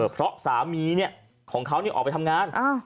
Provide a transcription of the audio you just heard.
เพราะสามีของเขาออกไปทำงาน